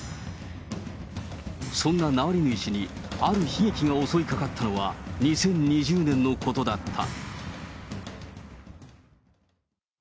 そんなナワリヌイ氏に、ある悲劇が襲いかかったのは、２０２０年のことだった。